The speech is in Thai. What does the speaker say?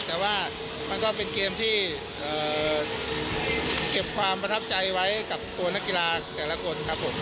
แต่ว่ามันก็เป็นเกมที่เก็บความประทับใจไว้กับตัวนักกีฬาแต่ละคนครับผม